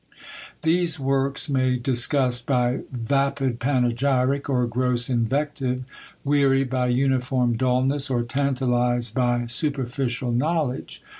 These works may disgust by vapid panegyric, or gross invective; weary by uniform dulness, or tantalise by superficial knowledge.